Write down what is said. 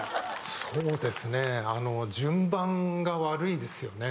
そうですね順番が悪いですよね。